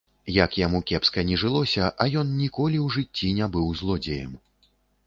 Як яму кепска ні жылося, а ён ніколі ў жыцці не быў злодзеем.